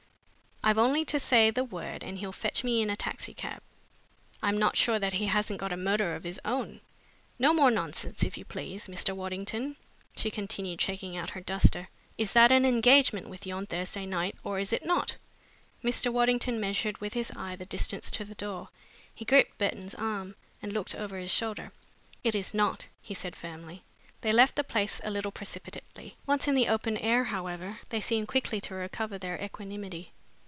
I've only to say the word and he'll fetch me in a taxicab. I'm not sure that he hasn't got a motor of his own. No more nonsense, if you please, Mr. Waddington," she continued, shaking out her duster. "Is that an engagement with you on Thursday night, or is it not?" Mr. Waddington measured with his eye the distance to the door. He gripped Burton's arm and looked over his shoulder. "It is not," he said firmly. They left the place a little precipitately. Once in the open air, however, they seemed quickly to recover their equanimity.